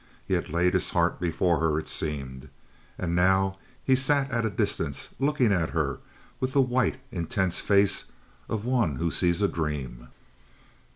He had laid his heart before her, it seemed. And now he sat at a distance looking at her with the white, intense face of one who sees a dream.